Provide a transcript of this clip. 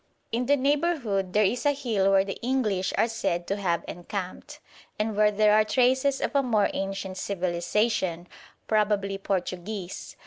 In the neighbourhood there is a hill where the English are said to have encamped, and where there are traces of a more ancient civilisation, probably Portuguese.